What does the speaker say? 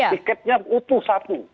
tiketnya utuh satu